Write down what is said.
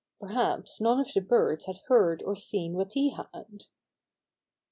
Perhaps none of the birds had heard or seen what he had.